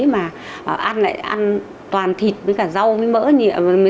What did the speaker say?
mà ăn lại ăn toàn thịt với cả dâu với mỡ